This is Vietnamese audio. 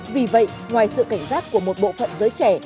vì vậy ngoài sự cảnh giác của một bộ phận giới trẻ